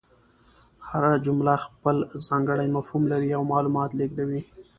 هره جمله خپل ځانګړی مفهوم لري او معلومات لېږدوي.